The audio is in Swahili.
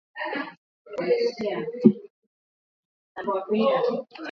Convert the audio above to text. na sasa tunapokea wajeruhiwa thelathini na saba